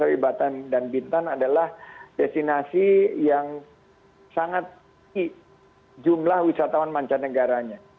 tapi batam dan bintan adalah destinasi yang sangat jumlah wisatawan mancanegaranya